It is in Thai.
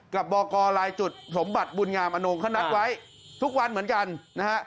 บอกกรลายจุดสมบัติบุญงามอนงเขานัดไว้ทุกวันเหมือนกันนะฮะ